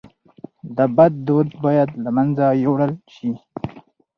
د بد دود باید له منځه یووړل سي.